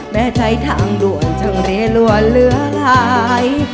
แม้ใจทางรวนถึงเรียนรวนเหลือหาย